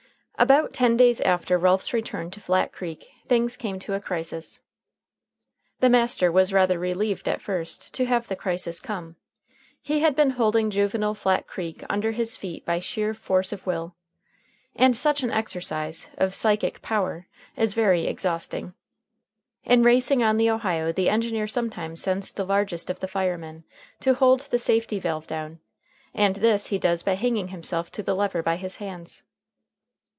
About ten days after Ralph's return to Flat Creek things came to a crisis. The master was rather relieved at first to have the crisis come. He had been holding juvenile Flat Creek under his feet by sheer force of will. And such an exercise of "psychic power" is very exhausting. In racing on the Ohio the engineer sometimes sends the largest of the firemen to hold the safety valve down, and this he does by hanging himself to the lever by his hands.